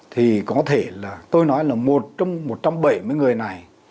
thì có thể là tôi nói là một trong một trăm bảy mươi người này